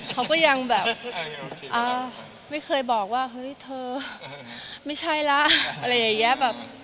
เขาก็ยังแบบไม่เคยบอกว่าเฮ้ยเธอไม่ใช่ละอะไรอย่างนี้แบบ